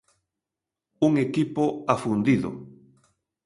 Un equipo afundido.